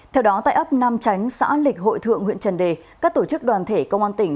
theo đó tại ấp nam chánh xã lịch hội thượng huyện trần đề các tổ chức đoàn thể công an tỉnh